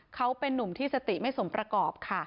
เขาเป็นนุ่มที่สติไม่สมประกอบค่ะ